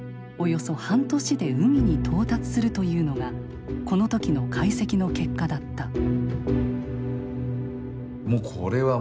およそ半年で海に到達するというのがこの時の解析の結果だった。